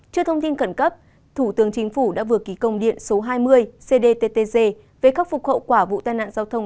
trước thông tin cẩn cấp thủ tướng chính phủ đã vừa ký công điện số hai mươi cdttg về khắc phục hậu quả vụ tai nạn giao thông